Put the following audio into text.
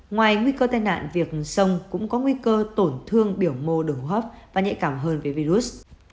ngoài nguy cơ tai nạn việc sông cũng có nguy cơ tổn thương biểu mô đường hóc và nhạy cảm hơn với virus